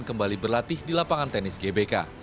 kembali berlatih di lapangan tenis gbk